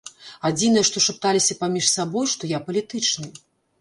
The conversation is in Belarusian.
Адзінае што шапталіся паміж сабой, што я палітычны.